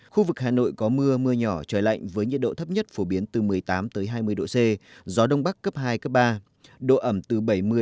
khu vực hà nội có mưa mưa nhỏ trời lạnh với nhiệt độ thấp nhất phổ biến từ một mươi tám hai mươi độ c do đông bắc cấp hai ba độ ẩm từ bảy mươi chín mươi năm